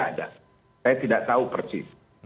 tidak ada saya tidak tahu persis